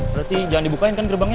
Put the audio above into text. berarti jangan dibukain kan gerbangnya